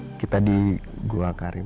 ini kita di gua karim